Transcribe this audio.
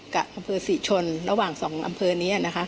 กับอำเภอศรีชนระหว่าง๒อำเภอนี้นะคะ